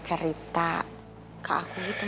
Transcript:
cerita ke aku gitu mas